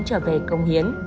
trở về công hiến